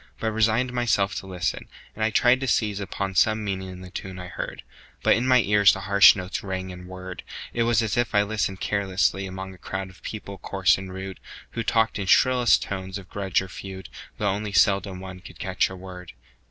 but resigned Myself to listen, and I tried to seize Upon some meaning in the tune I heard. But in my ears the harsh notes rang and whirred; It was as if I listened carelessly Among a crowd of people coarse and rude, Who talked in shrillest tones of grudge or feud, Though only seldom one could catch a word.